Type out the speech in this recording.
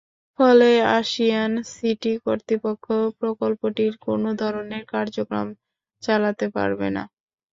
ফলে Asian City কর্তৃপক্ষ প্রকল্পটির কোনো ধরনের কার্যক্রম চালাতে পারবে না।